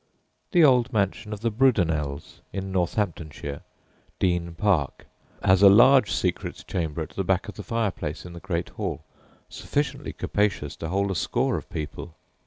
The old mansion of the Brudenells, in Northamptonshire, Deene Park, has a large secret chamber at the back of the fireplace in the great hall, sufficiently capacious to hold a score of people.